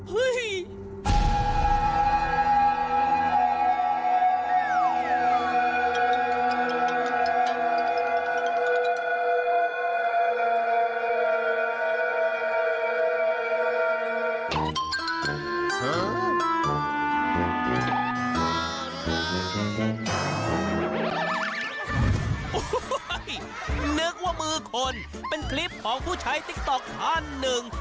โอ้โหนึกว่ามือคนเป็นคลิปของผู้ใช้ติ๊กต๊อกท่านหนึ่ง